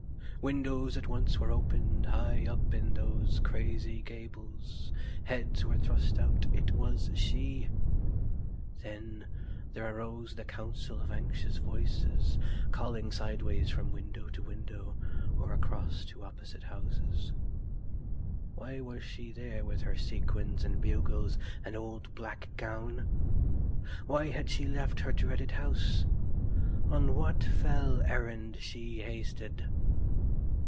Windows at once were opened high up in those crazy gables; heads were thrust out: it was she. Then there arose the counsel of anxious voices, calling sideways from window to window or across to opposite houses. Why was she there with her sequins and bugles and old black gown? Why had she left her dreaded house? On what fell errand she hasted?